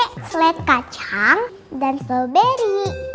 pakai seled kacang dan strawberry